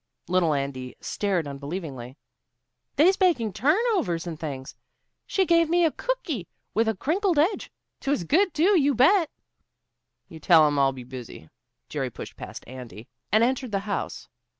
Little Andy stared unbelievingly. "They's baking turnovers and things. She gave me a cooky with a crinkled edge. 'Twas good, too, you bet." "You tell 'em I'll be busy." Jerry pushed past Andy and entered the house.